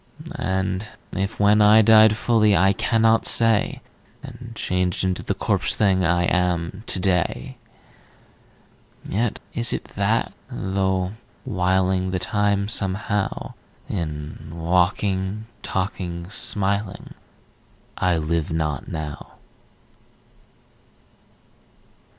And if when I died fully I cannot say, And changed into the corpse thing I am to day, Yet is it that, though whiling The time somehow In walking, talking, smiling, I live not now.